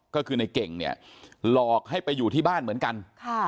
ก็คือในเก่งเนี่ยหลอกให้ไปอยู่ที่บ้านเหมือนกัน